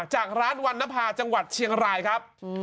จากร้านวันนภาจังหวัดเชียงรายครับ